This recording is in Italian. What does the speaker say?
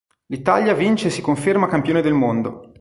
L'Italia vince e si conferma Campione del Mondo.